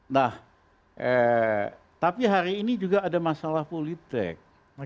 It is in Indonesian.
nah tapi hari ini juga ada masalah politik